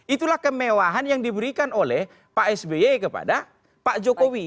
itulah kemewahan yang diberikan oleh pak sby kepada pak jokowi